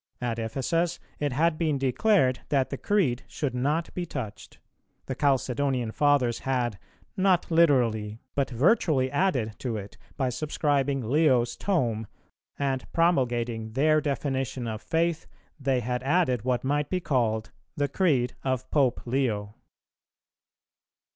At Ephesus it had been declared that the Creed should not be touched; the Chalcedonian Fathers had, not literally, but virtually added to it: by subscribing Leo's Tome, and promulgating their definition of faith, they had added what might be called, "The Creed of Pope Leo."